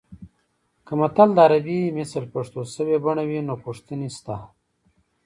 که متل د عربي مثل پښتو شوې بڼه وي نو پوښتنې شته